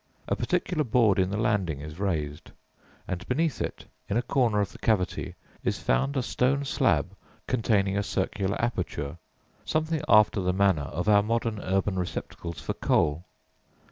A particular board in the landing is raised, and beneath it, in a corner of the cavity, is found a stone slab containing a circular aperture, something after the manner of our modern urban receptacles for coal.